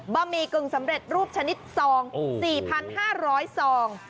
หมี่กึ่งสำเร็จรูปชนิดซอง๔๕๐๐ซอง